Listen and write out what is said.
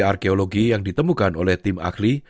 arkeologi yang ditemukan oleh tim ahli